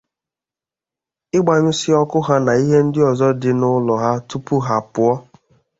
ịgbanyụsị ọkụ ha na ihe ndị ọzọ dị n'ụlọ ha tupu ha apụọ